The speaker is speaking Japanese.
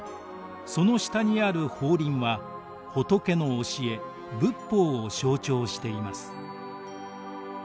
その下にある法輪は仏の教え仏法を象徴しています。